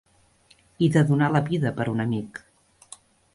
... i de donar la vida per un amic